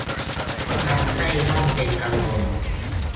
ทำให้ต้องเป็นกังวล